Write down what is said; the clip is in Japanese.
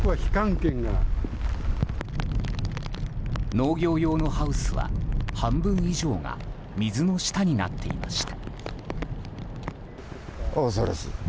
農業用のハウスは、半分以上が水の下になっていました。